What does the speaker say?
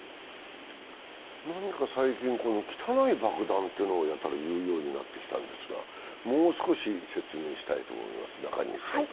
何か最近、汚い爆弾というのをやたら言うようになったんですがもう少し説明したいと思います。